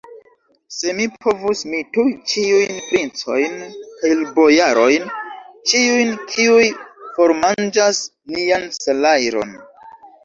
Se mi povus, mi tuj ĉiujn princojn kaj bojarojn, ĉiujn, kiuj formanĝas nian salajron.